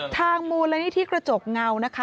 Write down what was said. ทางมูลนิธิกระจกเงานะคะ